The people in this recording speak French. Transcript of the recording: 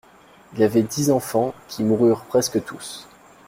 Il avait dix enfants qui moururent presque tous.